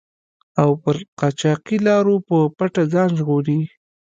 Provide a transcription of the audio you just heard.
او پر قاچاقي لارو په پټه ځان ژغوري.